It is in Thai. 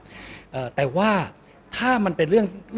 ก็ต้องทำอย่างที่บอกว่าช่องคุณวิชากำลังทำอยู่นั่นนะครับ